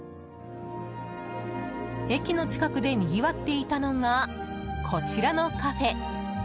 駅の近くでにぎわっていたのがこちらのカフェ。